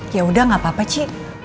yaudah nggak apa apa ci